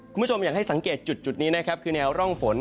คุณผู้ชมอยากให้สังเกตจุดนี้นะครับคือแนวร่องฝน